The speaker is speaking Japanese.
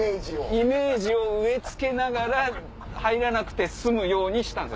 イメージを植え付けながら入らなくて済むようにしたんです